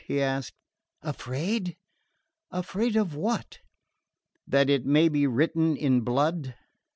he asked. "Afraid? Afraid of what?" "That it may be written in blood."